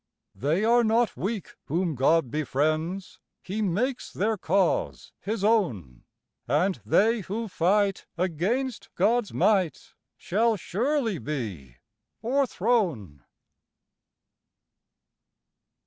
They are not weak whom God befriends, He makes their cause His own; And they who fight against God's might Shall surely be o'erthrown.